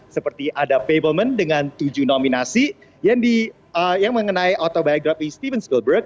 seperti ada pavement dengan tujuh nominasi yang mengenai autobiografi steven spielberg